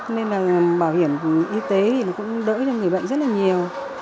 nên là bảo hiểm y tế thì nó cũng đỡ cho người bệnh rất là nhiều